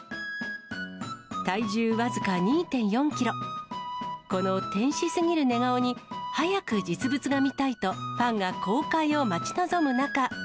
体重僅か２．４キロ、この天使すぎる寝顔に、早く実物が見たいと、ファンが公開を待ち望む中。